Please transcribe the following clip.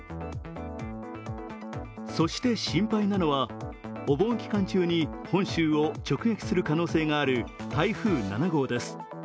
そして心配なのは、お盆期間中に本州を直撃する可能性がある台風７号です。